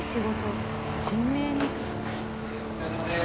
お疲れさまです。